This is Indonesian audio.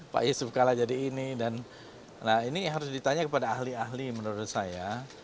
pak yusuf kala jadi ini dan ini harus ditanya kepada ahli ahli menurut saya